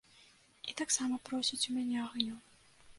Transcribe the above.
І таксама просіць у мяне агню.